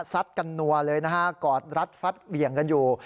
กันนัวเลยนะฮะกอดรัดฟัดเบี่ยงกันอยู่